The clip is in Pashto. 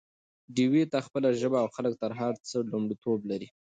ډيوې ته خپله ژبه او خلک تر هر څه لومړيتوب لري